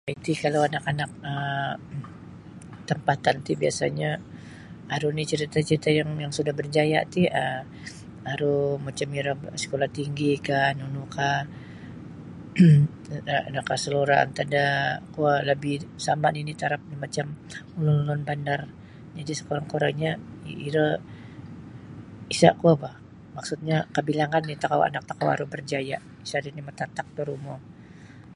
Iti kalau anak-anak um tampatan ti biasa'nyo aru nini' carita'-carita' yang yang sudah barjaya' ti um aru macam iro sekolah tinggikah nunukah um nakasalura' antad da kuo lebih sama' nini' taraf macam ulun-ulun bandar jadi' sakurang-kurangnyo iro isa' kuo boh maksudnyo kabilangan nini' tokou anak-anak tokou barjaya' sa' nini' matatak da rumo.